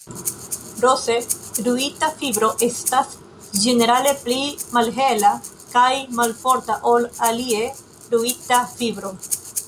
Rose ruita fibro estas ĝenerale pli malhela kaj malforta ol alie ruita fibro.